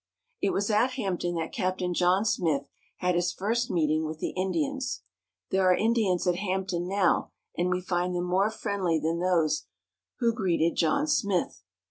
It was at Hampton that Captain John Smith had his first meeting with the Indians. There are Indians at Hampton now, and we find them more friendly than those who greeted John Smith.